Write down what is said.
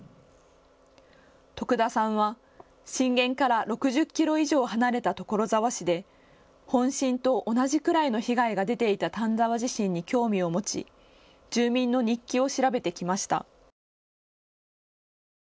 徳田さんは震源から６０キロ以上離れた所沢市で本震と同じくらいの被害が出ていた丹沢地震に興味を持ち住民の日記を調べてきました。